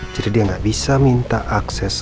jadi dia nggak bisa minta akses